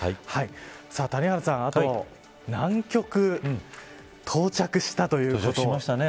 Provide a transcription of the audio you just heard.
谷原さん、あと南極到着したということ。